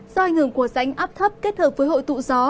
do ảnh hưởng của rãnh áp thấp kết hợp với hội tụ gió